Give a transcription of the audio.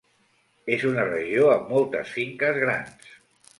És una regió amb moltes finques grans.